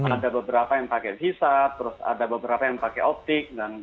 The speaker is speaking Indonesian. ada beberapa yang pakai hisap terus ada beberapa yang pakai optik